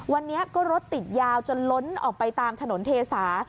วันนี้ก็รถติดยาวจนล้นออกไปตามถนนเทสา